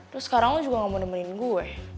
terus sekarang lo juga gak mau nemenin gue